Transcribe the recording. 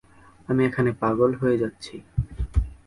আমি এখানে পাগল হয়ে যাচ্ছি।